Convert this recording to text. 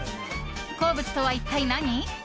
鉱物とは一体、何？